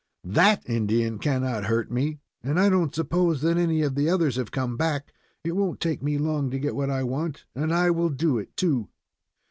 "That Indian cannot hurt me, and I don't suppose that any of the others have come back. It won't take me long to get what I want; and I will do it, too."